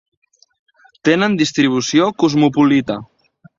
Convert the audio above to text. Tenen distribució cosmopolita.